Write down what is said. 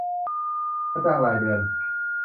ค่าจ้างรายเดือน